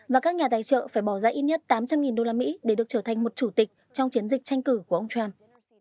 và các nhà tài trợ phải bỏ ra ít nhất tám trăm linh usd để được trở thành một chủ tịch trong chiến dịch tranh cử của ông trump